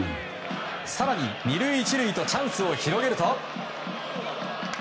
更に２塁１塁とチャンスを広げると。